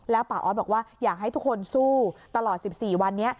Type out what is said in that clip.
ป่าออสบอกว่าอยากให้ทุกคนสู้ตลอด๑๔วันนี้